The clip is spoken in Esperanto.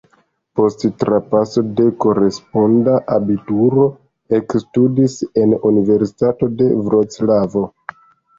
Post trapaso de koresponda abituro ekstudis en Universitato de Vroclavo.